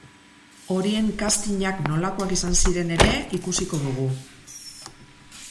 Horien castingak nolakoak izan ziren ere ikusiko dugu.